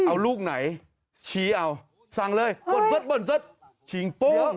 เอ้ยเอาลูกไหนชี้เอาสั่งเลยชิงปุ้ง